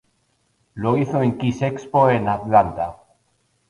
Lo hizo en kiss expo en Atlanta.